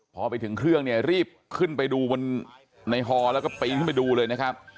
พอไปถึงเครื่องเนี่ยรีบขึ้นไปดูบนในฮอแล้วก็ปีนขึ้นไปดูเลยนะครับ